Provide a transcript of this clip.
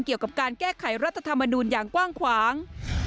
เกี่ยวกับการแก้ไขรัฐธรรมนูลอย่างกว้างขวาง